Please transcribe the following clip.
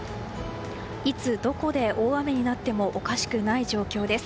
いつどこで大雨になってもおかしくない状況です。